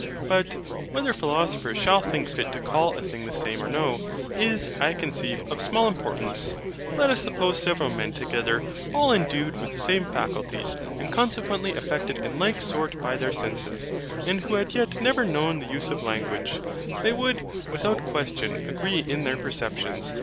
But whether philosophers shall think fit to CALL a thing the SAME or no, is, I conceive, of small importance. Let us suppose several men together, all endued with the same faculties, and consequently affected in like sort by their senses, and who had yet never known the use of language; they would, without question, agree in their perceptions.